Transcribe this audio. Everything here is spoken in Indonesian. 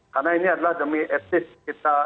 karena ini adalah demi eksis kita